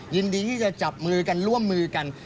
ยินดีที่จะจับมือกันร่วมมือกัน